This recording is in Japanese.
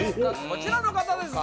こちらの方です